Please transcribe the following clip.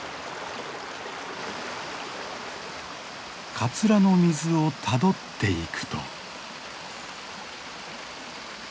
カツラの水をたどっていくと。